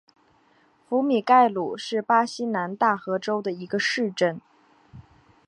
福米盖鲁是巴西南大河州的一个市镇。